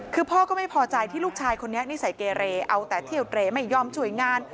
คือพ่อก็ไม่พอใจที่ลูกชายคนนี้นิสัยเกเรเอาแต่เที่ยวเตรไม่ยอมช่วยงาน